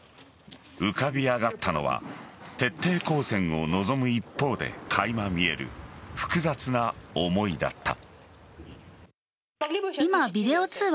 浮かび上がったのは徹底抗戦を望む一方で垣間見える複雑な思いだった。